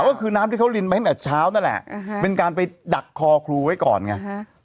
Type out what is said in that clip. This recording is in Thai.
ก็คือน้ำกินแค่เช้านั้นแหละเป็นการไปดักคอครูไว้ก่อนไง